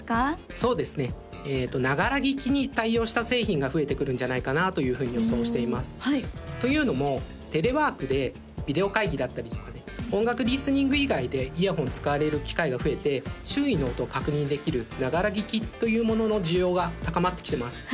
そうですねんじゃないかなというふうに予想していますというのもテレワークでビデオ会議だったりとかで音楽リスニング以外でイヤホンを使われる機会が増えて周囲の音を確認できるながら聴きというものの需要が高まってきてます